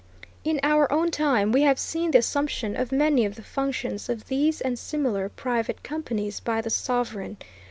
In our own time, we have seen the assumption of many of the functions of these and similar private companies by the sovereign.